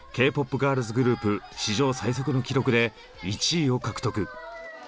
ガールズグループ史上最速の記録で１位を獲得。